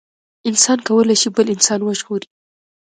انسان کولي شي بل انسان وژغوري